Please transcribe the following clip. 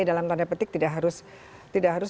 dalam tanda petik tidak harus